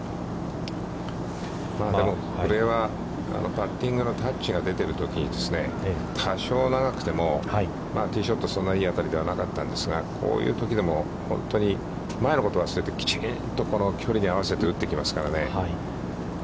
古江は、パッティングのタッチが出てるときに、多少長くてもティーショット、そんなにいい当たりではなかったんですが、こういうときでも本当に前のことを忘れて、きちんと距離に合わせて打ってきますからね。